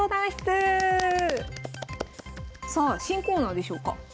さあ新コーナーでしょうか。